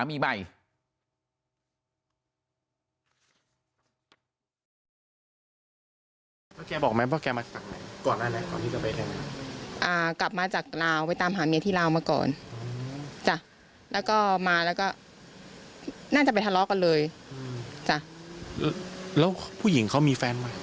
มาคนเดียวหรอครับพี่